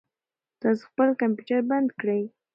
تاسو خپل کمپیوټر بند کړئ.